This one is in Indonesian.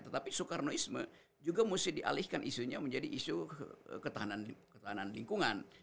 tetapi soekarnoisme juga mesti dialihkan isunya menjadi isu ketahanan lingkungan